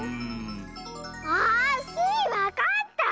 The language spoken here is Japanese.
あ！スイわかった！